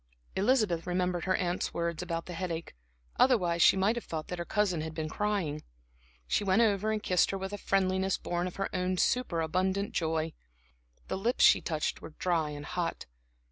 Elizabeth remembered her aunt's words about the headache; otherwise she might have thought that her cousin had been crying. She went over and kissed her with a friendliness born of her own superabundant joy. The lips she touched were dry and hot.